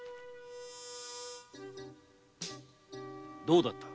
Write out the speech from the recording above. ・どうだった？